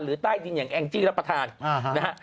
ใต้ดินอย่างแองจี้รับประทานนะฮะ